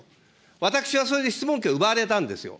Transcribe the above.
私はそれで質問権を奪われたんですよ。